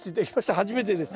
初めてです。